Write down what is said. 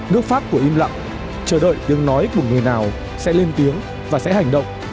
nước pháp của im lặng chờ đợi tiếng nói của người nào sẽ lên tiếng và sẽ hành động